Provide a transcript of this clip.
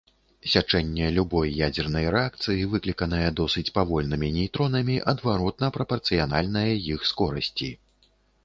Сячэнне любой ядзернай рэакцыі, выкліканае досыць павольнымі нейтронамі, адваротна прапарцыянальнае іх скорасці.